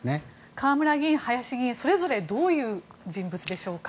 河村議員、林議員それぞれどういう人物でしょうか。